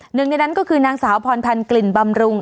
หนึ่งในนั้นก็คือนางสาวพรพันธ์กลิ่นบำรุง